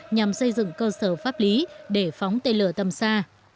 nhằm xây dựng cơ sở pháp lý để phóng tên lửa tầm xa